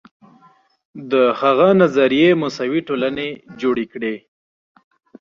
د هغه نظریې مساوي ټولنې جوړې کړې.